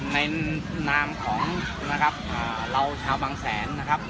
ในนามของนะครับเราชาวบางแสนนะครับ